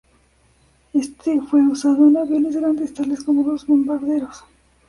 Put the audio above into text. Este fue usado en aviones grandes, tales como los bombarderos.